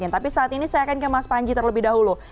tapi saat ini saya akan ke mas panji terlebih dahulu